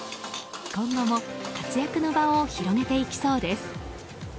今後も活躍の場を広げていきそうです。